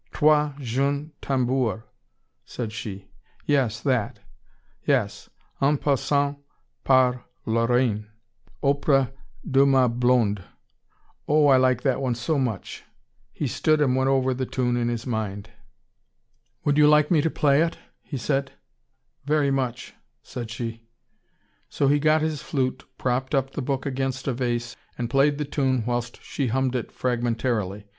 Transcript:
"Trois jeunes tambours," said she. "Yes, that.... Yes, En passant par la Lorraine.... Aupres de ma blonde.... Oh, I like that one so much " He stood and went over the tune in his mind. "Would you like me to play it?" he said. "Very much," said she. So he got his flute, propped up the book against a vase, and played the tune, whilst she hummed it fragmentarily.